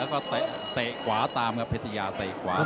แล้วก็เตะขวาตามครับเพชรยาเตะขวา